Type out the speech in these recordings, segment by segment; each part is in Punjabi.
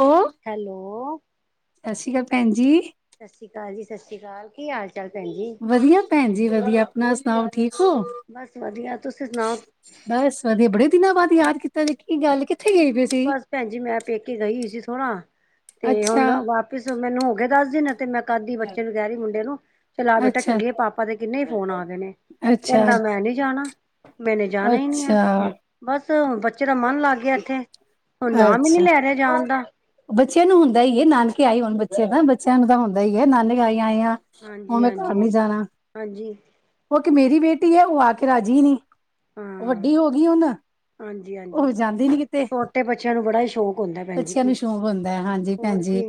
ਉਹ, ਹੈਲੋ, ਸਤਿ ਸ਼੍ਰੀ ਅਕਾਲ ਭੈਣ ਜੀ। ਸਤਿ ਸ਼੍ਰੀ ਅਕਾਲ ਜੀ ਸਤਿ ਸ਼੍ਰੀ ਅਕਾਲ ਅਕਾਲ ਕੀ ਹਾਲ ਚੱਲ ਭੈਣ ਜੀ। ਵਧੀਆ ਭੈਣ ਜੀ ਵਧੀਆ ਆਪਣਾ ਸੁਣਾਓ ਠੀਕ ਹੋ ਬਸ ਵਧੀਆ, ਤੁਸੀਂ ਸੁਣਾਓ? ਬਸ ਬੜੇ ਦਿਨਾਂ ਬਾਅਦ ਯਾਦ ਕੀਤਾ ਗੱਲ ਕਿ ਬਸ ਭੈਣ ਜੀ ਮੈਂ ਪੇਕੇ ਗਈ ਹੋਈ ਸੀ ਥੋਣਾ। ਤੇ ਅੱਛਾ ਹੁਣ ਵਾਪਿਸ ਮੈਨੂੰ ਹੋ ਗਏ ਦੱਸ ਦਿਨ ਤੇ ਮੈਂ ਕਦੀ ਬੱਚੇ ਨੂੰ ਕਹਿ ਰਹੀ ਮੁੰਡੇ ਨੂੰ ਚਲ ਆ ਬੇਟਾ ਅੱਛਾ ਚੱਲੀਏ ਪਾਪਾ ਦੇ ਕਿੰਨੇ ਹੀ ਫੋਨ ਆ ਗਏ ਨੇ ਅੱਛਾ ਕਹਿੰਦਾ ਮੈਂ ਨਹੀਂ ਜਾਣਾ। ਮੈਨੇ ਜਾਣਾ ਹੀ ਨਹੀਂ ਆ ਅੱਛਾ ਬਸ ਬੱਚੇ ਦਾ ਮਨ ਲੱਗ ਗਿਆ। ਇੱਥੇ ਹੁਣ ਨਾਮ ਹੀ ਨੀ ਅੱਛਾ ਲੈ ਰਿਹਾ ਜਾਣ ਦਾ ਬੱਚਿਆਂ ਨੂੰ ਹੁਣ ਦਾ ਹੀ ਹੈ ਨਾਨਕੇ ਆਏ ਹੋਣ ਬੱਚੇ ਦਾ ਬੱਚਿਆਂ ਨੂੰ ਤਾਂ ਹੁੰਦਾ ਹੀ ਹੈ ਨਾਨਕ ਆਈ ਆਏ ਆ। ਹੁਣ ਮੈਂ ਘਰ ਹਾਂਜੀ-ਹਾਂਜੀ, ਨੀ ਜਾਣਾ ਹਾਂਜੀ। ਉਹ ਇਕ ਮੇਰੀ ਬੇਟੀ ਏ ਉਹ ਆ ਕੇ ਰਾਜੀ ਨੀ ਹਾਂ ਉਹ ਵੱਡੀ ਹੋ ਗਈ ਹੁਣ ਉਹ ਜਾਂਦੀ ਨੀ ਕਿਤੇ। ਕਈ ਬੱਚਿਆਂ ਨੂੰ ਬੜਾ ਹੀ ਸ਼ੌਕ ਹੁੰਦਾ ਭੈਣ ਜੀ, ਬੱਚਿਆਂ ਕਿ ਨੂੰ ਕਰ ਸ਼ੌਕ ਹੁੰਦਾ ਹੈ ਹਾਂਜੀ ਭੈਣ ਹੋਰ ਜੀ ਕੀ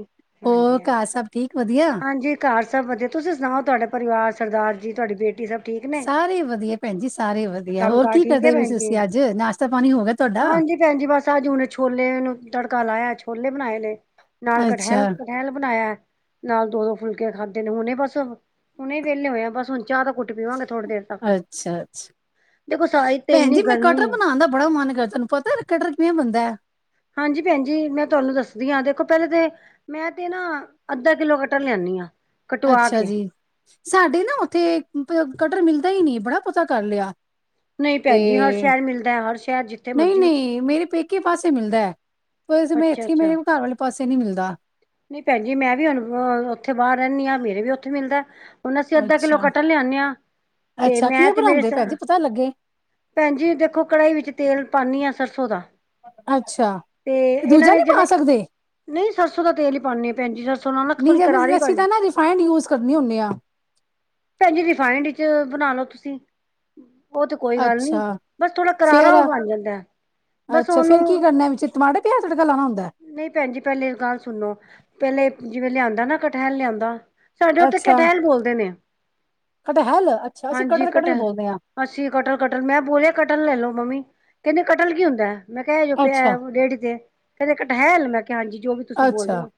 ਹੋਰ ਹਾਂਜੀ ਹ ਘਰ ਸਭ ਠੀਕ ਵਧੀਆ ਹਾਂਜੀ, ਹਾਂਜੀ। ਘਰ ਸਭ ਵਧੀਆ ਤੁਸੀਂ ਸੁਣਾਓ ਤੁਹਾਡਾ ਪਰਿਵਾਰ ਸਰਦਾਰ ਜੀ ਤੁਹਾਡੀ ਬੇਟੀ ਸਭ ਠੀਕ ਏ। ਸਾਰੇ ਵਧੀਆ ਭੈਣ ਜੀ ਸਾਰੇ ਵਧੀਆ ਕੰਮ ਹੋਰ ਕਾਰ ਕੀ ਠੀਕ ਹੈ ਕਰਦਾ ਪਏ ਭੈਣ ਸੀ। ਜੀ ਤੁਸੀਂ ਅੱਜ ਨਾਸ਼ਤਾ ਪਾਣੀ ਹੋ ਗਿਆ। ਤੁਹਾਡਾ ਹਾਂਜੀ ਭੈਣਜੀ ਬਸ ਅੱਜ ਉਹਨੇ ਛੋਲੇ ਨੂੰ ਤੜਕਾ ਲਾਇਆ ਛੋਲੇ ਬਣਾਏ ਨੇ ਨਾਲ ਅੱਛਾ ਕਠੈਲ ਲ ਬਣਾਇਆ। ਨਾਲ ਦੋ ਦੋ ਫੁਲਕੇ ਖਾਧਦੇ ਨੇ ਹੁਣੇ ਬਸ ਹੁਣੇ ਵਿਹਲੇ ਹੋਏ ਆ ਬਸ ਹੁਣ ਚਾਹ ਦਾ ਘੁੱਟ ਪੀਵਾਂਗੇ ਥੋੜ੍ਹੀ ਦੇਰ ਤੱਕ ਅੱਛਾ-ਅੱਛਾ ਦੇਖੋ ਸਾਈ ਤੇ ਭੈਣ ਇੰਨੀ ਜੀ ਮੈਂ ਕਟਟਰ ਗਰਮੀ ਬਣਾਉਣ ਦਾ ਬੜਾ ਮਨ ਕਰਦਾ ਪਤਾ ਕਟਰਰ ਕਿਵੇਂ ਬੰਦਾ ਹਾਂਜੀ ਭੈਣ ਜੀ। ਮੈਂ ਤੁਹਾਨੂੰ ਦੱਸਦੀ ਹਾਂ ਦੇਖੋ ਪਹਿਲੇ ਤੇ ਮੈਂ ਤੇ ਨਾ ਅੱਧਾ ਕਿੱਲੋ ਕੱਟਰ ਲਿਆਨੀ ਆਂ। ਅੱਛਾ ਜੀ, ਸਾਡੇ ਨਾ ਉੱਥੇ ਕਟਰ ਮਿਲਦਾ ਹੀ ਨਹੀ ਬੜਾ ਪਤਾ ਕਰ ਲਿਆ। ਨਹੀਂ ਤੇ ਭੈਣ ਜੀ ਹਰ ਸ਼ਹਿਰ ਮਿਲਦਾ ਹੈ, ਹਰ ਸ਼ਹਿਰ ਜਿੱਥੇ ਮਰਜ਼ੀ ਨਹੀਂ-ਨਹੀਂ ਮੇਰੇ ਪੇਕੇ ਇੱਕੀ ਪਾਸੇ ਮਿਲਦੈ ਵੈਸੇ ਮੈ ਅੱਛਾ ਇੱਥੇ ਮੇਰੇ ਕੋ ਘਰ ਵਾਲੇ ਪਾਸੇ ਨੀ ਮਿਲਦਾ। ਨਈ ਭੈਨਜੀ ਮੈਂ ਵੀ ਹੁਨ ਓਥੇ ਬਾਰ ਰੈਨੀ ਆਂ ਮੇਰੇ ਵੀ ਓਥੇ ਮਿਲਦੈ। ਹੁਣ ਅਸੀ ਅੱਧਾ ਕਿੱਲੋ ਅੱਛਾ ਕਟਲ ਲਿਆਨੇ ਆਂ ਤੇ ਅੱਛਾ ਮੈਂ ਕੀ ਤੇ ਮੇਰੇ ਬਣਾਉਂਦੇ ਭੈਣ ਜੀ ਪਤਾ ਲੱਗੇ ਭੈਣ ਜੀ ਦੇਖੋ ਕੜਾਈ ਵਿੱਚ ਤੇਲ ਪਾਨੀ ਆਂ ਸਰਸੋਂ ਦਾ। ਅੱਛਾ ਤੇ ਏਨਾਂ ਦੂਜਾ ਨੇ ਨਹੀਂ ਪਾ ਜੇੜੇ ਸਕਦੇ ਨਈ ਸਰਸੋਂ ਦਾ ਤੇਲ ਈ ਪਾਨੇ ਆਂ ਭੈਨ ਜੀ ਸਰਸੋਂ ਨਾਲ ਨਾ ਨਹੀਂ ਥੋੜੀ ਜੇ ਅਸੀਂ ਕਰਾਰੀ ਅਸੀਂ ਬਨ ਜਾਂ ਤਾਂ ਨਾ ਰਿਫਾਈਨਡ ਯੂਜ਼ ਕਰਨੀ ਹੁੰਦੇ ਆ ਭੈਣਜੀ ਰਿਫਾਇੰਡ ਇਚ ਬਨਾ ਲੋ ਤੁਸੀ। ਓ ਤੇ ਕੋਈ ਗੱਲ ਨੀ ਅੱਛਾ ਬਸ ਥੋੜਾ ਕਰਾਰਾ ਫੇਰ ਬਣ ਜਾਂਦੈ। ਅੱਛਾ ਫੇਰ ਕੀ ਕਰਨਾ ਵਿੱਚ ਟਮਾਟਰ ਪਿਆਜ ਤੜਕਾ ਲਾਣਾ ਹੁੰਦੈ? ਨਈ ਭੈਨਜੀ ਪੈਲੇ ਗੱਲ ਸੁਣ ਲੋ ਪੈਲੇ ਜਿਵੇਂ ਲਿਆਂਦਾ ਨਾ ਕਠਹਿਲ ਲਿਆਂਦਾ ਸਾਡੇ ਓਥੇ ਅੱਛਾ ਕਟੈਲ ਬੋਲਦੇ ਨੇ ਕਟਹਲ ਅੱਛਾ ਅਸੀਂ ਹਾਂਜੀ ਕਟਹਲ ਕਟਹਲ ਕਟੈਲ ਬੋਲਦੇ ਹਾਂ ਅੱਸੀਂ ਕਟਲ ਕਟਲ ਮੈਂ ਬੋਲਿਆ ਕਟਲ ਲੈ ਲੋ ਮੰਮੀ ਕੈਂਦੇ ਕਟਲ ਕੀ ਹੁੰਦਾ ਮੈਂ ਕੇਆ ਐ ਜੋ ਪਿਐ। ਅੱਛਾ ਰੇੜੀ ਤੇ ਕੈਂਦੇ ਕਠਹੈਲ ਮੈਂ ਕਿਆ ਹਾਂਜੀ ਜੋ ਵੀ ਤੁਸੀ ਬੋਲਦੇ ਅੱਛਾ ਓ।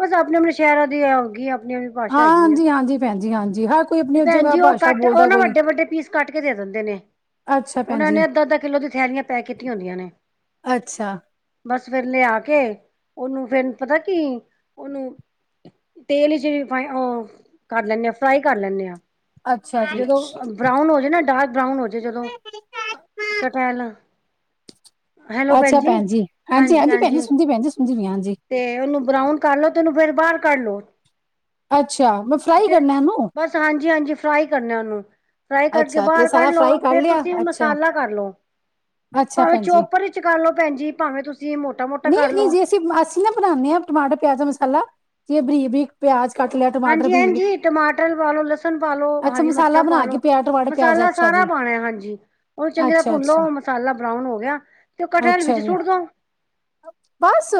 ਬਸ ਆਪਨੇ ਆਪਨੇ ਸ਼ੈਰਾਂ ਦੀ ਐ ਹੋਗੀ ਆਪਨੇ ਭਾਸ਼ਾ ਹੈਗੀ ਏ ਹਾਂਜੀ ਹਾਂਜੀ ਭੈਣ ਜੀ ਹਾਂਜੀ ਹਰ ਕੋਈ ਤੇ ਆਪਣੀ ਭੈਨ ਜਗ੍ਹਾ ਜੀ ਓ ਭਾਸ਼ਾ ਕੱਟ ਓ ਬੋਲਦਾ ਨਾ ਕੋਈ ਵੱਡੇ ਵੱਡੇ ਪੀਸ ਕੱਟ ਕੇ ਦੇ ਦੇਂਦੇ ਨੇ। ਅੱਛਾ ਭੈਣ ਓਨਾਂ ਨੇ ਜੀ ਅੱਦਾ ਅੱਦਾ ਕਿੱਲੋ ਦੀਆਂ ਥੈਲੀਆਂ ਪੈਕ ਕੀਤੀਆਂ ਹੁੰਦੀਆਂ ਨੇ। ਅੱਛਾ ਬਸ ਫੇਰ ਲਿਆ ਕੇ ਉਨੂੰ ਫੇਰ ਪਤਾ ਕੀ ਉਨੂੰ ਤੇਲ ਈਚ ਵੀ ਫਾਈ ਓ ਕਰ ਲੈਨੇ ਆ ਫਰਾਈ ਕਰ ਲੈਨੇ ਆਂ। ਅੱਛਾ ਜੀ ਜਦੋ ਬਰਾਊਨ ਹੋ ਜੇ ਨਾ ਡਾਰਕ ਬਰਾਊਨ ਹੋ ਜੇ ਤੇ ਜਦੋਂ ਕਟੈਲ ਅੱਛਾ ਭੈਨਜੀ ਹਾਂਜੀ, ਹਾਂਜੀ ਭੈਨਜੀ ਹਾਂਜੀ-ਹਾਂਜੀ ਸੁਣਦੀ ਪੀ ਆਂ, ਸੁਣਦੀ ਪੀ ਆਂ ਹਾਂਜੀ। ਤੇ ਉਨੂੰ ਬਰਾਊਨ ਕਰ ਲੋ ਤੇ ਉਨੂੰ ਫੇਰ ਬਾਰ ਕੱਢ ਲੋ। ਅੱਛਾ ਮੈ ਫਰਾਈ ਕਰਨਾ ਏ ਏਨੂੰ। ਹਾਂਜੀ, ਹਾਂਜੀ ਫਰਾਈ ਕਰਨੈ ਉਨੂੰ। ਫਰਾਈ ਕਡ ਕੇ ਅੱਛਾ ਫਿਰ ਬਾਰ ਸਾਰਾ ਕੱਢ ਲੋ ਫਰਾਈ ਕਰ ਫੇਰ ਲਿਆ ਤੁਸੀ ਓ ਅੱਛਾ ਮਸਾਲਾ ਕਰ ਲੋ। ਅੱਛਾ ਭਾਵੇਂ ਭੈਣ ਜੀ ਚੋਪਰ ਇਚ ਕਰਲੋ ਭੈਨਜੀ ਭਾਵੇਂ ਤੁਸੀ ਏ ਮੋਟਾ, ਮੋਟਾ ਕਰਲੋ। ਅਸੀ ਅਸੀ ਨਾ ਬਣਾਨੇ ਆਂ ਟਮਾਟਰ ਪਿਆਜ ਦਾ ਮਸਾਲਾ ਜਿਵੇਂ ਬਰੀ ਬਰੀਕ ਪਿਆਜ ਕੱਟ ਲੈ ਹਾਂਜੀ, ਹਾਂਜੀ ਟਮਾਟਰ ਪਾਲੋ, ਲਸਣ ਪਾਲੋ, ਅੱਛਾ ਹਰੀ ਮਸਾਲਾ ਮਰਚਾਂ ਬਣਾ ਕੇ ਪਾਲੋ। ਪਿਆ ਟਮਾਟਰ ਪਿਆਜ਼ ਮਸਾਲਾ ਅੱਛਾ ਜੀ ਸਾਰਾ ਪਾਣਾ ਏ ਹਾਂਜੀ ਓਨ ਚੰਗੀ ਤਰਾ ਅੱਛਾ ਭੁੱਨ ਲੋ ਅੱਛਾ ਮਸਾਲਾ ਬਰਾਉਨ ਹੋ ਗਿਆ ਤੇ ਕਠੇਲ ਵਿੱਚ ਸੁੱਟ ਦੋ। ਬੱਸ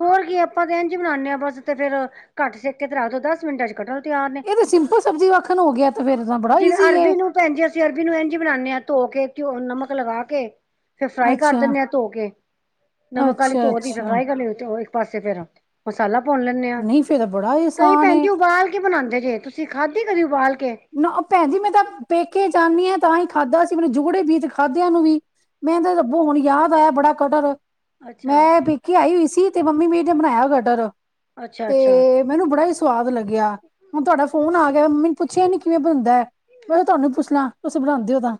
ਹੋਰ ਕੀ ਆਪਾਂ ਤੇ ਇੰਝ ਈ ਬਣਾਨੇ ਆਂ ਬਸ ਤੇ ਫੇਰ ਘੱਟ ਸੇਕੇ ਤੇ ਰੱਖ ਦੋ ਦਸ ਮਿੰਟਾਂ ਚ ਕਟਲ ਤਿਆਰ ਨੇ ਤਾਂ ਸਿੰਪਲ ਸਬਜ਼ੀ ਵਾਕਣ ਹੋ ਗਿਆ ਤੇ ਫੇਰ ਤਾਂ ਬੜਾ ਜਿਵੇਂ ਈਜ਼ੀ ਹੈ ਅਰਬੀ ਨੂੰ ਭੈਣ ਜੀ ਅਸੀ ਅਰਬੀ ਨੂੰ ਐਂਝੀ ਬਣਾਨੇ ਆਂ ਧੋ ਕੇ ਨਮਕ ਲਗਾ ਕੇ ਫੇਰ ਫਰਾਈ ਕਰ ਅੱਛਾ ਦੇਨੇ ਆ ਧੋ ਕੇ ਨਮਕ ਆਲੀ ਅੱਛਾ ਧੋ ਤੀ ਤੇ ਅੱਛਾ ਫਰਾਈ ਕਰ ਲੀਓ ਇੱਕ ਪਾਸੇ ਫੇਰ ਮਸਾਲਾ ਭੋਨ ਲੈਨੇ ਆਂ ਨਹੀਂ ਫੇਰ ਤਾਂ ਬੜਾ ਕਈ ਆਸਾਨ ਭੈਂ ਏ ਉਬਾਲ ਕੇ ਬਨਾਂਦੇ ਜੇ ਤੁਸੀ ਖਾਧੀ ਕਦੀ ਉਬਾਲ ਕੇ? ਨਾ ਭੈਣ ਜੀ ਮੈਂ ਤਾਂ ਪੇਕੇ ਜਾਨੀ ਆਂ ਤਾਂ ਈ ਖਾਧਾ ਸੀ ਮੈਨੂੰ ਜੁਗੜੇ ਬੀਤ ਖਾਦਿਆਂ ਨੂੰ ਵੀ। ਮੇਨ ਤੇ ਰੱਬੋ ਹੁਣ ਯਾਦ ਆਇਆ ਬੜਾ ਕਟਰ ਅੱਛਾ ਮੈਂ ਪੇਕੇ ਆਈ ਹੋਈ ਸੀ ਤੇ ਮੰਮੀ ਮੇਰ ਨੇ ਬਣਾਇਆ ਕਟਰ ਅੱਛਾ-ਅੱਛਾ ਤੇ ਮੈਨੂੰ ਬੜਾ ਈ ਸਵਾਦ ਲੱਗਿਆ ਹੁਨ ਤਾਡਾ ਫੋਨ ਆ ਗਿਆ ਮੰਮੀ ਨੂੰ ਪੁੱਛਿਆ ਈ ਨੀ ਕਿਵੇਂ ਬਣਦਾ ਏ ਮੈਂ ਕਿਆ ਤਾਨੂੰ ਪੁੱਛ ਲਾਂ ਤੁਸੀ ਬਨਾਂਦੇ ਓ ਤਾਂ।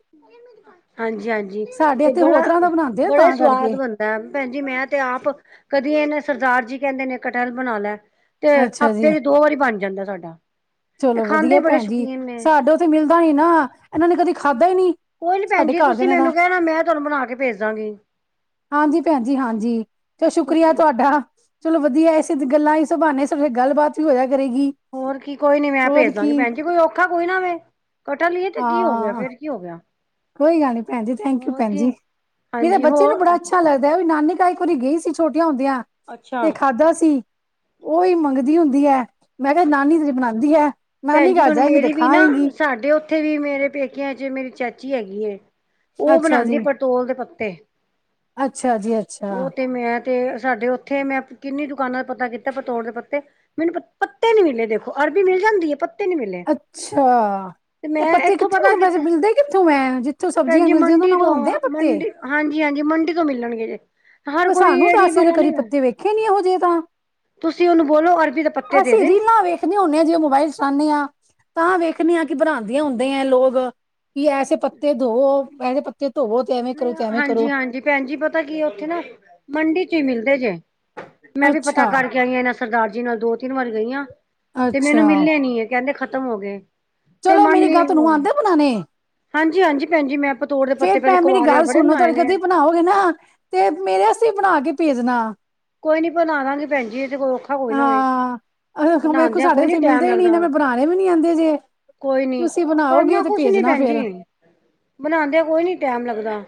ਹਾਂਜੀ-ਹਾਂਜੀ ਸਾਡੇ ਤੇ ਇੱਥੇ ਹੋਰ ਬੜਾ, ਤਰ੍ਹਾਂ ਦਾ ਬਣਾਉਂਦੇ ਆ ਬੜਾ ਈ ਤਾਂ ਕਰਕੇ ਸਵਾਦ ਬਣ ਪੇਮ ਭੈਣ ਜੀ ਮੈਂ ਤੇ ਆਪ ਕਦੀ ਏਹ ਨੇ ਸਰਦਾਰ ਜੀ ਕੇਹੰਦੇ ਨੇ ਕਟਲ ਬਣਾ ਲੈ। ਤੇ ਅੱਛਾ ਜੀ ਹਫ਼ਤੇ ਵੀ ਦੋ ਵਾਰੀ ਬਣ ਜਾਂਦਾ ਸਾਡਾ। ਤੇ ਚਲੋ ਵਧੀਆ ਖਾਂਦੇ ਏ ਬੜੇ ਭੈਣ ਜੀ, ਸ਼ੌਕੀਨ ਨੇ ਸਾਡੇ ਉੱਥੇ ਮਿਲਦਾ ਨੀ ਨਾ, ਏਹਨਾਂ ਨੇ ਕਦੀ ਖਾਧਾ ਈ ਨੀ। ਕੋਈ ਨੀ ਭੈਣ ਸਾਡੇ ਜੀ, ਘਰ ਦੇ ਤੁਸੀਂ ਨੇ ਤਾਂ ਮੈਨੂੰ ਕੇਹਣਾ ਮੈਂ ਤੁਹਾਨੂੰ ਬਣਾ ਕੇ ਭੇਜ ਦਾਂਗੀ। ਹਾਂਜੀ ਭੈਣ ਜੀ ਹਾਂਜੀ ਤੇ ਸ਼ੁਕਰੀਆ ਤੁਸੀਂ ਤੁਹਾਡਾ। ਚਲੋ ਵਧੀਆ ਏ ਇਸੇ ਗੱਲਾਂ ਇਸੇ ਭਾਨੇ ਸਬਸੇ ਗੱਲਬਾਤ ਵੀ ਹੋਏਆ ਕਰੇਗੀ। ਹੋਰ ਕੀ ਕੋਈ ਨੀ ਮੈਂ ਹੋਰ ਭੇਜ ਦਾਂਗੀ, ਕੀ ਭੈਣ ਜੀ ਕੋਈ ਔਖਾ ਕੋਈ ਨਾ ਵੇ, ਕੱਟਲ ਈ ਏ ਤੇ ਕੀ ਹੋ ਗੇਆ ਹਾਂ ਫੇਰ? ਕੀ ਹੋ ਗੇਆ। ਕੋਈ ਗੱਲ ਨੀ ਭੈਣ ਜੀ, ਥੈਂਕ ਯੂ ਭੈਣ ਜੀ, ਮੇਰੇ ਹਾਂਜੀ ਬੱਚੇ ਨੂੰ ਬੜਾ ਹੋਰ ਅੱਛਾ ਲੱਗਦਾ ਉਹ ਵੀ ਨਾਨੀ ਕਾ ਇਕ ਵਾਰੀ ਗਈ ਸੀ ਛੋਟੇਆਂ ਹੁੰਦੇਆਂ, ਅੱਛਾ ਤੇ ਖਾਧਾ ਸੀ ਔਈ ਮੰਗਦੀ ਹੁੰਦੀ ਐ। ਮੈਂ ਕੇਹਾ ਨਾਨੀ ਅੱਛਾ ਤੇਰੀ ਬਣਾੰਦੀ ਐ, ਨਾਨੀ ਭੈਣ ਜੀ ਕਾਰ ਹੁਣ ਜਾਏੰਗੀ ਤੇ ਮੇਰੀ ਵੀ ਖਾ ਨਾ ਆਏੰਗੀ। ਸਾਡੇ ਔਥੇ ਵੀ ਮੇਰੇ ਪੇਕੇਆਂ ਚ ਮੇਰੀ ਚਾਚੀ ਹੈਗੀ ਏ। ਔਹ ਅੱਛਾ ਬਣਾੰਦੀ ਏ ਜੀ ਪਤੋਲ ਦੇ ਪੱਤੇ, ਅੱਛਾ ਜੀ ਅੱਛਾ ਔਹ ਤੇ ਮੈਂ ਤੇ ਸਾਡੇ ਔਥੇ ਮੈਂ ਕਿੰਨੀ ਦੁਕਾਨਾਂ ਪਤਾ ਕੀਤਾ ਪਤੋੜ ਦੇ ਪੱਤੇ, ਮੈਨੂੰ ਪਤ ਪੱਤੇ ਨੀ ਮਿਲੇ ਦੇਖੋ, ਅਰਬੀ ਮਿਲ ਜਾਂਦੀ ਏ ਪੱ ਅੱਛਾ। ਏਹ ਮੈਂ ਪੱਤੇ ਇੱਥੋਂ ਕਿੱਥੋਂ ਪਤਾ ਅਹ ਵੈਸੇ ਕੀਤਾ ਮਿਲਦੇ ਕਿੱਥੋਂ ਐ, ਜਿੱਥੋਂ ਸਬਜ਼ੀਆਂ ਮਿਲ ਜਾਨ ਓਹਨਾਂ ਕੋਲ ਹੁੰਦੇ ਐ ਪੱਤੇ? ਹਾਂਜੀ-ਹਾਂਜੀ ਮੰਡੀ ਤੋਂ ਮਿਲਣਗੇ। ਹਰ ਪਰ ਕੋਈ ਸਾਨੂੰ ਤਾਂ ਏਅੜੀ ਅਸੀਂ ਤਾਂ ਵਾਲਾ ਕਦੀ ਨਈ ਅ, ਪੱਤੇ ਵੇਖੇ ਨੀ ਇਹੋ ਜਿਹੇ ਤਾਂ ਤੁਸੀਂ ਓਹਨੂੰ ਬੋਲੋ ਅਰਬੀ ਦੇ ਪ ਅਸੀਂ ਜੀਨਾ ਨਾ ਵੇਖਨੇ ਹੁੰਨੇ ਆਂ ਜੇ ਉਹ ਮੋਬਾਇਲ ਚਲਾਣੇ ਆਂ, ਤਾਂ ਵੇਖਨੇ ਆਂ ਕਿ ਬਣਾਂਦੀਆਂ ਹੁੰਦੇ ਐ ਲੋਗ। ਕਿ ਐਸੇ ਪੱਤੇ ਧੋਔ, ਐਸੇ ਪੱਤੇ ਧੋਵੋ ਤੇ ਐਵੇਂ ਨਹੀਂ ਕਰੋ ਤੇ ਐਵੇਂ ਕਰੋ। ਹਾਂਜੀ ਹਾਂਜੀ ਭੈਣ ਜੀ ਪਤਾ ਕੀ ਏ ਔਥੇ ਨਾ, ਮੰਡੀ ਚ ਈ ਮਿਲਦੇ ਜੇ, ਮੈਂ ਵੀ ਪਤਾ ਅੱਛਾ, ਕਰਕੇ ਆਈ ਆਂ ਏਹਨਾਂ ਸਰਦਾਰ ਜੀ ਨਾਲ ਦੋ, ਤਿੰਨ ਵਾਰੀ ਗਈ ਆਂ, ਤੇ ਮੈਨੂੰ ਅੱਛਾ ਮਿਲੇ ਨੀ ਏ ਕੇਹੰਦੇ ਖ਼ਤਮ ਹੋ ਗਏ। ਚਲੋ ਮੇਰੀ ਗਾਤ ਨੂੰ ਆੰਦੇ ਬਣਾਣੇ? ਹਾਂਜੀ-ਹਾਂਜੀ ਭੈਣ ਜੀ ਮੈਂ ਪਤੋੜ ਦੇ ਪੱਤੇ ਪੈਲੇ ਗਾਲ ਸੁਣੋ ਤੇ ਕਦੀ ਬਣਾਓਗੇ ਨਾ, ਤੇ ਮੇਰੇ ਆਸਤੇ ਵੀ ਬਣਾ ਕੇ ਭੇਜਣਾ। ਕੋਈ ਨੀ ਬਣਾਦਾਂਗੇ ਭੈਣ ਜੀ ਏਹ ਤੇ ਕੋ ਔ ਖਾ ਕੋਈ ਨਾ ਵੇ, ਹਾਂ ਅ ਵੇਖੋ ਬਣਾੰਦੇਆਂ ਸਾਡੇ ਕੋਈ ਨੀ ਇੱਥੇ ਟੈਮ ਮਿਲਦੇ ਹੀ ਨੀ ਨਾ ਲੱਗਦਾ। ਮੈਂ ਬਣਾਣੇ ਵੀ ਨੀ ਆਂਦੇ ਜੇ ਕੋਈ ਨੀ, ਤੁਸੀਂ ਬਣਾਓਗੇ ਕਰਨਾ ਤੇ ਕੁਛ ਨੀ ਭੇਜਣਾ ਭੈਣ ਜੀ, ਫੇਰ ਬਣਾੰਦੇਆਂ ਕੋਈ ਨੀ ਟੈਮ ਲੱਗਦਾ।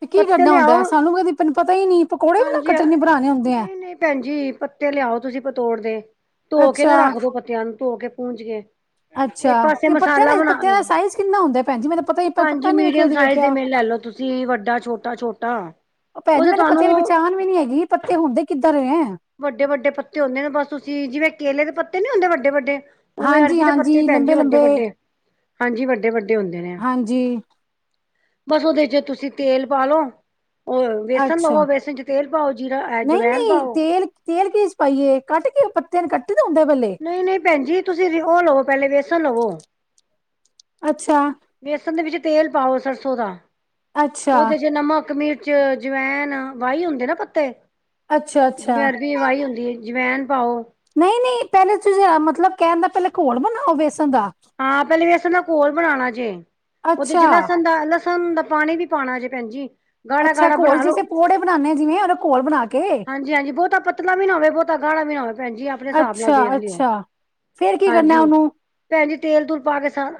ਤੇ ਕੀ ਪੱਤੇ ਕੱਰਨਾ ਲਿਆਓ ਹੁੰਦਾ ਏ, ਸਾਨੂੰ ਕਦੀ ਪ ਪਤਾ ਈ ਨਈ ਪਕੌੜੇ ਵੀ ਨਾ ਕੱਟਣੇ ਬਣਾਣੇ ਹੁੰਦੇ ਐ? ਨਈ ਭੈਣਜੀ ਪੱਤੇ ਲੇਆਓ ਤੁਸੀਂ ਪਤੋੜ ਦੇ, ਧੋ ਕੇ ਨਾ ਅੱਛਾ ਰਾਖ ਦੋ ਪੱਤੇਆਂ ਨੂੰ ਧੋ ਕੇ ਪੂੰਝ ਕੇ ਅੱਛਾ ਏਕ ਪਾਸੇ ਕਿ ਪੱਤਿਆਂ ਮਸਾਲਾ ਦਾ ਬਣਾ ਪੱਤਿਆਂ ਲੋ, ਦਾ ਸਾਈਜ਼ ਕਿੰਨਾ ਹੁੰਦਾ ਭੈਣ ਜੀ ਮੈਨੂੰ ਪਤਾ ਹੀ ਭੈਣਜੀ ਪੱਤਾ ਨੀ ਵੇਖਿਆ ਮੀਡੀਅਮ ਕਦੀ ਸਾਈਜ਼ ਦੇ ਵੇਖਿਆ ਮੇਨ ਲੈਲੋ ਤੁਸ ਕੀ ਵੱਡਾ ਛੋਟਾ-ਛੋਟਾ ਔਹ ਭੈਣ ਜੀ ਮੈਂਨੂ ਪੱਤੇਯਾਂ ਦੀ ਪੇਚਾਣ ਵੀ ਨੀ ਹੈਗੀ, ਪੱਤੇ ਹੁੰਦੇ ਕਿੱਧਰ ਹੈਂ। ਵੱਡੇ-ਵੱਡੇ ਪੱਤੇ ਹੁੰਦੇ ਨੇ ਬਸ ਤੁਸੀਂ ਜਿਵੇਂ ਕੇਲੇ ਦੇ ਪੱਤੇ ਨੀ ਹੁੰਦੇ ਵੱਡੇ-ਵੱਡੇ ਉਵੇਂ ਹਾਂਜੀ ਅਰਬੀ ਦੇ ਪੱਤੇ ਵੀ ਹਾਂਜੀ ਪੈਣ ਜੀ ਲੰਬੇ ਲੰਬੇ ਵੱਡੇ-ਵੱਡੇ, ਹਾਂਜੀ ਵੱਡੇ-ਵੱਡੇ ਹੁੰਦੇ ਨੇ। ਹਾਂਜੀ ਬਾਸ ਉਹਦੇ ਚ ਤੁਸੀਂ ਤੇਲ ਪਾਲੋ ਔਰ ਵੇਸਨ ਲਵੋ, ਅੱਛਾ ਵੇਸਨ ਚ ਤੇਲ ਪਾਓ, ਜੀਰਾ ਨਹੀਂ ਐਜਵੈਨ ਨਹੀਂ ਪਾਓ। ਤੇਲ ਤੇਲ ਕੀਦੇ ਚ ਪਾਈਏ, ਕਾਟ ਕੇ ਪੱਤੇ ਨੂੰ ਕੱਟੀ ਦਾ ਹੁੰਦਾ ਪੇਹਲੇ? ਨਈ-ਨਈ ਭੈਣ ਜੀ ਤੁਸੀਂ ਉਹ ਲੋ ਪੇਹਲੇ ਵੇਸਣ ਲਵੋ। ਅੱਛਾ ਵੇਸਣ ਦੇ ਵਿੱਚ ਤੇਲ ਪਾਓ ਸਰਸੋਂ ਦਾ, ਅੱਛਾ ਉਹਦੇ ਚ ਨਮਕ, ਮਿਰ ਚ ਜਵੈਨ ਵਾਈ ਹੁੰਦੇ ਨਾ ਪੱਤੇ, ਅੱਛਾ ਜਿਵੇ ਅੱਛਾ ਅਰਬੀ ਵੀ ਵਾਹੀ ਹੁੰਦੀ ਹੈ, ਜਵੈਨ ਪਾਓ ਨਹੀਂ- ਨਹੀਂ, ਪਹਿਲੇ ਤੁਸੀਂ ਮਤਲਬ ਕਹਿਣਦਾ ਪਹਿਲੇ ਘੋਲ ਬਣਾਓ ਬੇਸਣ ਦਾ ਹਾਂ, ਪਹਿਲੇ ਵੇਸਣ ਦਾ ਘੋਲ ਬਣਾਣਾ ਜੇ, ਉਹਦੇ ਅੱਛਾ ਚ ਲਸਣ ਦਾ ਲ ਸਣ ਦਾ ਪਾਣੀ ਵੀ ਪਾਉਣਾ ਜੇ, ਭੈਣਜੀ। ਗਾੜਾ- ਅੱਛਾ ਗਾੜਾ ਘੋਲ ਬਣਾ ਲੋੋ, ਜਿਸੇ ਪਕੌੜੇ ਬਣਾਉਦੇ ਆ ਜਿਵੇਂ ਉਹਦਾ ਘੋਲ ਬਣਾ ਕੇ ਹਾਂਜੀ- ਹਾਂਜੀ, ਬਹੁਤਾ ਪਤਲਾ ਵੀ ਨਾ ਹੋਵੇ ਬਹੁਤਾ ਗਾੜਾ ਵੀ ਨਾ ਹੋਵੇ। ਭੈਣ ਜੀ ਆਪਣੇ ਹਿਸਾਬ ਨਾਲ ਅੱਛਾ ਦੇਖ ਲਿਓ। ਅੱਛਾ ਫੇਰ ਕੀ ਕਰਨਾ ਹਾਂਜੀ ਉਹਨੂੰ। ਭੈਣ ਜੀ ਤੇਲ ਤੂਲ ਪਾ ਕੇ ਸਾਰਾ,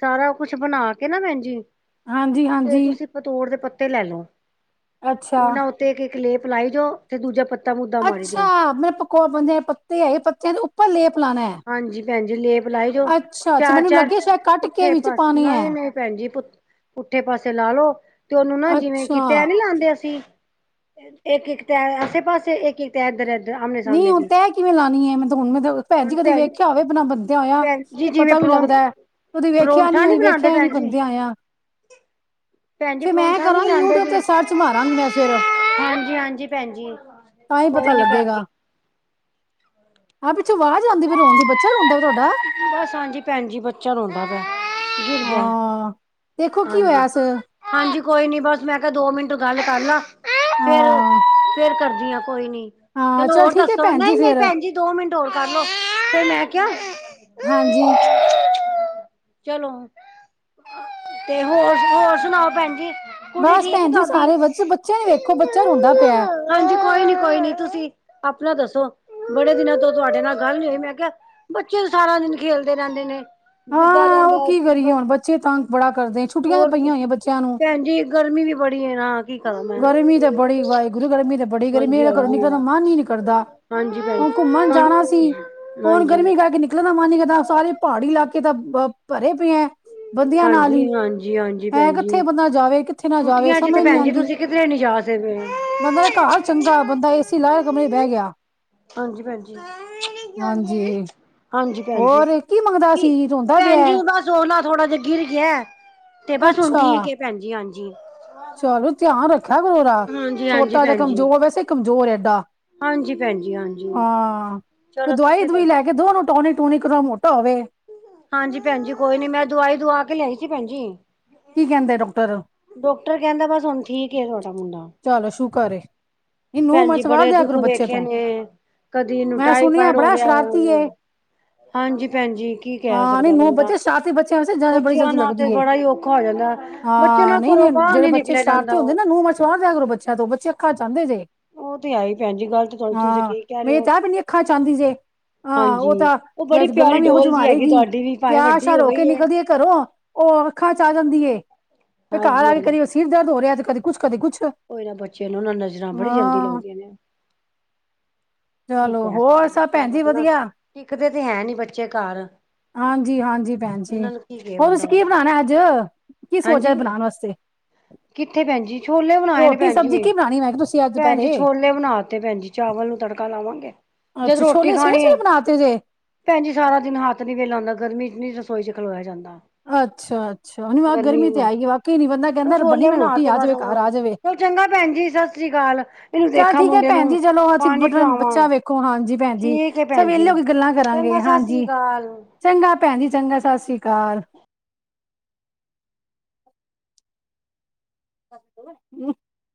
ਸਾਰਾ ਕੁਛ ਬਣਾ ਕੇ ਨਾ ਭੈਣ ਜੀ, ਹਾਂਜੀ ਤੇ ਹਾਂਜੀ ਤੁਸੀਂ ਪਤੋੜ ਦੇ ਪੱਤੇ ਲੈ ਲੋ। ਅੱਛਾ! ਤੇ ਇੱਕ- ਇੱਕ ਲੇਪ ਲਾਈ ਜਾਓ ਤੇ ਦੂਜਾ ਪੱਤਾ ਮੁੱਦਾ ਮਾਰੀ ਜਾਉ। ਆਪੇ ਪੱਕ [unintelligible] ਉਹ ਬਣਦੇ ਪੱਤੇ ਹੈ, ਪੱਤਿਆਂ ਦੇ ਉੱਪਰ ਲੇਪ ਲਾਂਣਾ। ਹਾਂਜੀ ਭੈਣਜੀ, ਲੇਪ ਲਾਈ ਜਾਓ, ਅੱਛਾ ਚਾਰ ਮੈਨੂੰ -ਚਾਰ ਲੱਗਿਆ ਸ਼ਾਇਦ ਕੱਟ ਕੇ ਪੁੱਠੇ ਵਿੱਚ ਪਰ ਪਾਣੇ ਹੈ ਨਹੀ-ਨਹੀ ਭੈਣ ਜੀ ਪੁ ਪੁੱਠੇ ਪਾਸੇ ਲਾ ਲਓ ਤੇ ਉਹਨੂੰ ਨਾ ਜਿਵੇਂ ਕਿ ਅੱਛਾ ਤੈਅ ਨੀ ਲਾਂਦੇ ਅਸੀਂ ਇੱਕ -ਇੱਕ ਤੈਅ ਆਸੇ ਪਾਸੇ, ਇੱਕ- ਇੱਕ ਤੈਅ ਇੱਧਰ- ਇਧਰ ਆਮਣੇ ਨਹੀਂ -ਸਾਹਮਣੇ ਹੁਣ ਦੀ ਤੈਅ ਕਿਵੇਂ ਲਾਣੀਏ, ਮੈਂ ਹੁਣ ਮੈਂ ਭੈਣ ਜੀ ਕਦੇ ਵੇਖਿਆ ਹੋਵੇ ਬਿਨਾਂ ਬਣਦਿਆਂ ਹੋਇਆ ਭੈਣ ਜੀ ਤੇ ਜਿਵੇਂ ਪਤਾ ਵੀ ਪਰੌ ਲੱਗਦਾ ਐ। ਉਹਦੀ ਵੇਖਿਆ ਨੀ ਪਰੌਂਠਾ ਅ ਬਣਾਂਦੇ ਵੇਖਿਆ ਹੀ ਨੀ ਭੈਣ ਜੀ। ਬਣਦਿਆ ਹੋਇਆ। ਭੈਣ ਜੀ ਫਿਰ ਮੈਂ ਇਹ ਪਰੌਂਠਾ ਨੀ ਕਰਾਂ ਯੂਟਿਊਬ ਤੇ ਸਰਚ ਮਾਰਾਂਗੀ ਮੈਂ ਫਿਰ [inaudible] ਹਾਂਜੀ- ਹਾਂਜੀ ਭੈਣਜੀ। ਤਾਂ ਹੀ ਪਤਾ ਲੱਗੇਗਾ। ਆ ਪਿੱਛੇ ਅਵਾਜ ਆਂਦੀ ਪਈ ਰੋਂਂਣ ਦੀ ਬੱ ਬਸ ਹਾਂਜੀ ਭੈਣਜੀ, ਬੱਚਾ ਰੋਂਦਾ ਪਇਆ। ਗਿਰ ਗਿਆ। ਹਾਂ ਦੇਖੋ ਕੀ ਹਾਂਜੀ। ਹੋਇਆ ਇਸ ਹਾਂਜੀ, ਕੋਈ ਨੀ ਬਸ ਮੈਂ ਕਿਹਾ ਦੋ ਮਿੰਟ ਗੱਲ ਕਰ ਲਾਂ, ਫੇਰ- ਹਾਂ ਫੇਰ ਕਰਦੀ ਆਂ। ਕੋਈ ਨੀ, ਹਾਂ ਚਲੋ ਚਲ ਹੋਰ ਠੀਕ ਹੈ ਦੱਸੋ ਭੈਣ ਜੀ ਨਹੀਂ -ਨਹੀਂ ਫਿਰ ਭੈਣ ਜੀ ਦੋ ਮਿੰਟ ਹੋਰ ਕਰਲੋ ਤੇ ਮੈਂ ਕਿਹਾ ਹਾਂਜੀ! ਚਲੋ। ਤੇ ਹੋਰ- ਹੋਰ ਸੁਣਾਓ ਭੈਣ ਜੀ। ਕੁੜੀ ਬਸ ਠੀਕ ਏ ਭੈਣ ਜੀ ਤੁਹਾਡੀ ਸਾਰੇ ਬੱਚੇ ਬੱਚੇ ਨੇ ਵੇਖੋ ਬੱਚਾ ਰੋਂਦਾ ਪਿਆ ਹੈ। ਹਾਂਜੀ ਕੋਈ ਨੀ ਕੋਈ ਨੀ, ਤੁਸੀਂ ਆਪਣਾ ਦੱਸੋ ਬੜੇ ਦਿਨਾਂ ਤੋਂ ਤੁਹਾਡੇ ਨਾਲ ਗੱਲ ਨ ਹੋਈ, ਮੈਂ ਕਿਹਾ ਫਿਰ ਸਾਰਾ ਦਿਨ ਖੇਲਦੇ ਰਹਿੰਦੇ ਨੇ। ਫਿਰਦਾ ਹਾਂ ਉਹ ਰਹਿੰਦਾ ਏ ਕੀ ਕਰੀਏ ਬੱਸ, ਹੁਣ ਬੱਚੇ ਤੰਗ ਬੜਾ ਕਰਦੇ ਨੇ, ਛੁੱਟੀਆਂ ਹੋਰ ਕੀ, ਪਈਆਂ ਹੋਈਆਂ ਬੱਚਿਆਂ ਨੂੰ ਭੈਣ ਜੀ ਗਰਮੀ ਵੀ ਬੜੀ ਏ ਨਾ। ਕੀ ਕਰਾਂ ਮੈਂ ਗਰਮੀ ਤੇ ਬੜੀ ਵਾਹਿਗੁਰੂ, ਗਰਮੀ ਤਾਂ ਬੜੀ ਹਾਂਜੀ ਗਰਮੀੇ ਘਰੋਂ ਨਿਕਲਣ ਦਾ ਹਾਂਜੀ ਮਨ ਹੀ ਨੀ ਕਰਦਾ। ਹਾਂਜੀ ਭੈਣ ਹੁਣ ਘੁੰਮਣ ਹਾਂ ਜਾਣਾ ਸੀ ਹੁਣ ਹਾਂਜੀ ਗਰਮੀ ਕਰਕੇ ਨ ਨਿਕਲਣ ਦਾ ਮਨ ਨਹੀਂ ਕਰਦਾ। ਸਾਰੇ ਪਹਾੜੀ ਇਲਾਕੇ ਤਾਂ ਭ ਭਰੇ ਪਏ ਹੈ। ਬੰਦਿਆਂ ਨਾਲ ਹੀ, ਭਾਜੀ ਹਾਂਜੀ ਹਾਂਜੀ ਹੈਂ ਭੈਣ ਕਿੱਥੇ ਜੀ ਬੰਦਾ ਜਾਵੇ ਕਿੱਥੇ ਨਾ ਜਾਵੇ ਛੁੱਟੀਆਂ ਚ ਤੇ ਸਮਝ ਨੀ ਭੈਣ ਜੀ ਆਂਦੀ। ਤੁਸੀਂ ਕਿਧਰੇ ਨੀ ਜਾ ਸਕਦੇ। [unintelligible] ਬੰਦਾ ਨਾ ਘਾਰ ਚੰਗਾ, ਬੰਦਾ ਏ ਸੀ ਲਾਇ ਕਮਰੇ ਚ ਬਹਿ ਗਿਆ। ਹਾਂਜੀ ਭੈਣਜੀ। [inaudible] ਹਾਂਜੀ ਹਾਂਜੀ ਭੈਣ ਜੀ, ਹੋਰ ਮੰਗਦਾ ਕੀ ਸੀ ਰੋਂਦਾ ਪਿਆ ਭੈਣ ਜੀ ਹੈ? ਬਸ ਸੋਲਾ ਥੋੜਾ ਜਿਹਾ ਗਿਰ ਗਿਆ, ਤੇ ਬਸ ਹੁਣ ਅੱਛਾ ਠੀਕ ਏ ਭੈਣ ਜੀ। ਹਾਂਜੀ। ਚਲੋ ਧਿਆਨ ਰੱਖਿਆ ਕਰੋ ਉਹਦਾ, ਹਾਂਜੀ ਹਾਂਜੀ ਛੋਟਾ ਤੇ ਭੈਣ ਜੀ ਕਮਜ਼ੋਰ ਵੈਸੇ ਹੀ ਕਮਜ਼ੋਰ ਏਡਾ ਹਾਂਜੀ ਭੈਣਜੀ, ਹਾਂਜੀ। ਹਾਂ ਕੋਈ ਚਲੋ ਤੁਸੀਂ ਦਵਾਈ-ਦੂਵੂਈ ਲੈ ਦੱਸੋ ਕੇ ਦੋ, ਓਨੂੰ ਟੋਨਿਕ-ਟੂਨਿਕ ਉਦੇ ਨਾ ਮੋਟਾ ਹੋਵੇ। ਹਾਂਜੀ ਭੈਨਜੀ ਕੋਈ ਨੀ, ਮੈਂ ਦਵਾਈ ਦਵਾ ਕੇ ਲੇਆਈ ਸੀ ਭੈਨ ਜੀ। ਕੀ ਕੈਂਦੇ ਡਾਕਟਰ? ਡਾਕਟਰ ਕੈਂਦਾ ਬਾੱਸ ਹੋਨ ਠੀਕ ਏ ਤੂਆਡਾ ਮੁੰਡਾ। ਚਲੋ ਸ਼ੁਕਰ ਏ। ਇਹਨੂੰ ਭੈਨ ਉਮਰ ਜੀ ਚ ਵਾਰ ਬੜੇ ਦਿਆ ਦੁੱਖ ਕਰੋ ਬੱਚੇ ਵੇਖੇ ਤੋਂ ਨੇ ਕਦੀ ਇਨੂੰ ਮੈਂ ਸੁਣਿਆ ਟਾਈਫਾਈਡ ਹੋ ਬੜਾ ਰੇਆ ਸ਼ਰਾਰਤੀ ਏ ਆ, ਹਾਂਜੀ, ਭੈਨਜੀ ਕੀ ਕੈਹ ਹਾਂ ਨਹੀਂ ਸਕਦੈ ਨੂੰਹ ਬੰਦਾ, ਬੱਚੇ ਸ਼ਰਾਰਤੀ ਬੱਚਿਆਂ ਵਾਸਤੇ ਜੰਜ ਬੜੀ ਬੱਚੇਆਂ ਜਲਦੀ ਨਾ ਤੇ ਲੱਗਦੀ ਏ ਬੜਾ ਈ ਔਖਾ ਹੋ ਜਾਂਦੈ, ਬੱਚੇਆਂ ਨਾ ਘਰੋਂ ਬਾਰ ਨੀ ਨਿਕਲ ਨਿਕਲੇਆ ਜਾਂਦਾ। ਨੂਨ-ਮਚਰ ਵਾਰ ਦੇਆ ਕਰੋ ਬੱਚੇਆਂ ਤੋਂ, ਬੱਚੇ ਅੱਖਾ ਚ ਆਂਦੇ ਜੇ। ਉਹ ਤੇ ਹੈ ਹੀ ਭੈਣ ਜੀ ਗੱਲ ਤੇ ਤੁਹਾਡੀ ਤੁਸੀਂ ਹਾਂ, ਠੀਕ ਕਹਿ ਰਹੇ ਮੈਂ ਹੋ ਤਾਂ ਆਪ ਈਨੀ ਅੱਖਾਂ ਚ ਆਂਦੀ ਜੇ। ਆ, ਹਾਂਜੀ ਓ ਤਾ ਉਹ ਬੜੀ ਗੱਲਾਂ ਪਿਆਰੀ ਵੀ ਉਹੋ ਜੀ ਡੋਲ ਹੈਗੀ ਮਾਰੇਗੀ, ਤੁਹਾਡੀ ਵੀ ਭਾਵੇਂ ਵੱਡੀ ਤੇਆਰ-ਸ਼ਾਰ ਹੋ ਕੇ ਗਈ ਹੈ ਨਿਕਲਦੀ ਏ ਘਰੋਂ, ਓ ਅੱਖਾਂ ਚ ਆ ਜਾਂਦੀ ਏ, ਤੇ ਘਾਰ ਹਾਂਜੀ ਆ ਕੇ, ਕਦੀ ਸਿਰ ਦਰਦ ਹੋ ਰੇਐ, ਤੇ ਕਦੀ ਕੁੱਛ ਕਦੀ ਕੁੱਛ ਓਈਨਾਂ ਬੱਚੇਆਂ ਨੂੰ ਨਜਰਾਂ ਬੜੀ ਜਲਦੀ ਲੱਗਦੀਆਂ ਨੇ। ਕੀ ਚਲੋ ਕੈ ਸਕਦੇ ਹੋਰ ਸਭ ਬੱਚੇਆਂ ਭੈਣ ਦਾ ਜੀ ਨਾ, ਵਧੀਆ ਟਿਕਦੇ ਤੇ ਹੈ ਨੀ ਬੱਚੇ ਘਾਰ। ਹਾਂਜੀ-ਹਾਂਜੀ ਭੈਨ ਜੀ, ਹੋਰ ਤੂਸੀ ਬੰਦਾ ਕੀ ਬਣਾਨੇ ਅੱਜ? ਕੀ ਸੋਚ ਰੈ ਹਾਂਜੀ ਬਨਾਨ ਵਸਤੇ? ਕਿੱਥੇ ਭੈਨ ਜੀ, ਛੋਲੇ ਬਨਾਏ ਨੇ ਭੈਨ ਸਬਜ਼ੀ ਜੀ, ਕੀ ਬਣਾਣੀ ਮੈਂ ਕਿਹਾ ਤੁਸੀਂ ਅੱਜ ਭੈਣ ਜੀ ਦੁਪਹਿਰੇ ਛੋਲੇ ਲੇ ਬਨਾ ਤੇ ਭੈਨਜੀ, ਚਾਵਲ ਨੂੰ ਤੜਕਾ ਲਾਵਾਂਗੇ ਅੱਛਾ, ਛੋਲੇ ਸਵੇਰੇ-ਸਵੇਰੇ ਬਨਾ ਤੇ ਜੇ? ਭੈਨਜੀ, ਸਾਰਾ ਦਿਨ ਹਾੱਥ ਨੀ ਵੇਲਾ ਹੂੰਦਾ, ਗਰਮੀ ਚ ਨੀ ਰਸੋਈ ਚ ਖਲੋਏਆ ਜਾਂਦਾ। ਅੱਛਾ-ਅੱਛਾ, ਉ ਆ ਗਰਮੀ ਤੇ ਹੈ ਈ ਏ, ਵਾਕਏ ਨੀ ਬੰਦਾ ਕੈਂਦੈ ਬਨੀ ਛੋਲੇ ਮੈ ਬਣਾ ਰੋਟੀ ਤੇ ਆ ਬਸ ਜਵੇ, ਘਰ ਆ ਜਵੇ। ਚਲ ਚੰਗਾ ਭੈਨ ਜੀ, ਸਸ੍ਰੀ ਕਾਲ। ਚੱਲ ਠੀਕ ਏ ਭੈਨ ਜੀ, ਚਲੋ ਅਚੀ ਬਦ ਪਿਆਵਾਂ ਬੱਚਾ ਵੇਖੋ ਹਾਂਜੀ ਭੈਨ ਜੀ, ਠੀਕ ਹੈ ਚ ਭੈਣ ਵੇਲੇ ਜੀ। ਹੋ ਕੇ ਗੱਲਾਂ ਕਰਾਂਗੇ, ਚੰਗਾ ਸਤਿ ਸ੍ਰੀ ਹਾਂਜੀ। ਅਕਾਲ। ਚੰਗਾ, ਭੈਨ ਜੀ ਚੰਗਾ, ਸਸ਼੍ਰੀ ਕਾਲ। [inaudible]